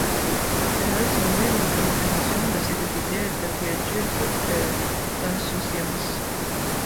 Elle est synonyme de modération, de sécurité, de quiétude et d'insouciance.